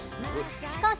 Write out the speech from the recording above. しかし。